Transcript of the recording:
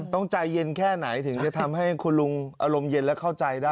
ใจเย็นแค่ไหนถึงจะทำให้คุณลุงอารมณ์เย็นและเข้าใจได้